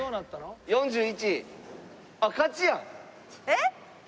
えっ？